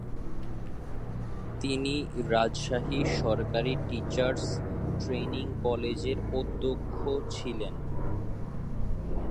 তিনি রাজশাহী সরকারি teachers training কলেজের অধ্যক্ষ ছিলেন।